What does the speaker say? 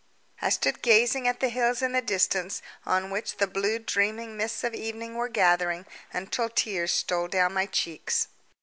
I stood gazing at the hills in the distance on which the blue dreaming mists of evening were gathering, until tears stole down my cheeks.